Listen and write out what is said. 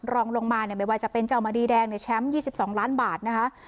รองลงมาเนี่ยไม่ว่าจะเป็นเจ้ามดีแดงเนี่ยแชมป์ยี่สิบสองล้านบาทนะคะ